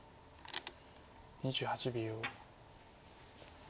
２８秒。